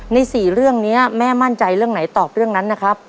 ๔เรื่องนี้แม่มั่นใจเรื่องไหนตอบเรื่องนั้นนะครับ